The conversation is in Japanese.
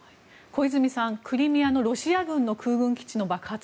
小泉さん、クリミアのロシア軍の空軍基地の爆発